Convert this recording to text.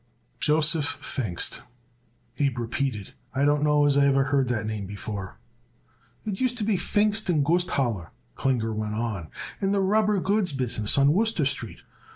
"Joseph Pfingst," Abe repeated. "I don't know as I ever hear that name before." "It used to be Pfingst & Gusthaler," Klinger went on, "in the rubber goods business on Wooster Street.